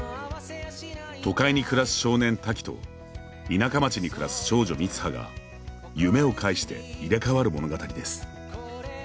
都会に暮らす少年・瀧と田舎町に暮らす少女・三葉が夢を介して入れ代わる物語です。